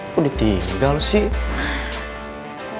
kok ditinggal sih